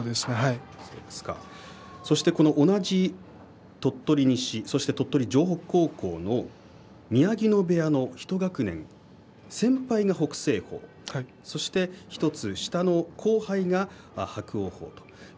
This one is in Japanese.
同じ鳥取西鳥取城北高校の宮城野部屋の１学年先輩が北青鵬１つ下の後輩が伯桜鵬。